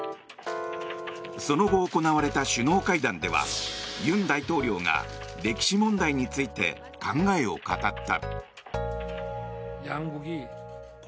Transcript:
その後、行われた首脳会談では尹大統領が歴史問題について考えを語った。